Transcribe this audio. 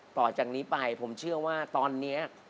ต่อจากนี้ไปผมเชื่อว่าตอนนี้